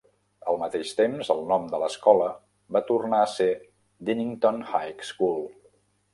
Al mateix temps, el nom de l'escola va tornar a ser a Dinnington High School.